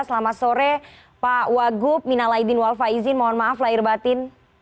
selamat sore pak wagup mina laidin wal faizin mohon maaf lahir batin